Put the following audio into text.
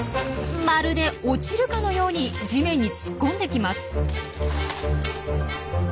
まるで落ちるかのように地面に突っ込んできます。